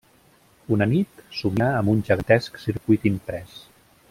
Una nit, somia amb un gegantesc circuit imprès.